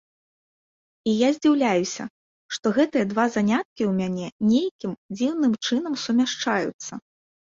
І я здзіўляюся, што гэтыя два заняткі ў мяне нейкім дзіўным чынам сумяшчаюцца.